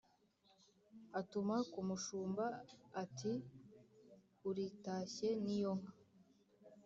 atuma ku mushumba ati: “uritashye n’iyo nka!